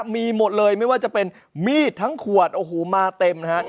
มีหมดเลยไม่ว่าจะเป็นมีดทั้งขวดโอ้โหมาเต็มนะฮะ